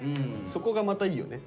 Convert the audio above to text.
そこがまたいいよね。